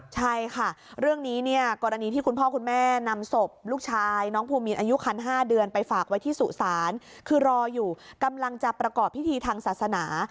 ใช่ค่ะเรื่องนี้เนี่ยกรณีที่คุณพ่อคุณแม่นำศพลูกชายน้องภูมินอายุคัน๕เดือนไปฝากไว้ที่สุสานคือรออยู่กำลังจะประกอบพิธีทางศาสนา